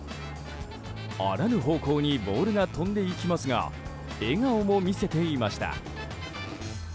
あらぬ方向にボールが飛んでいきますが笑顔も見せていました。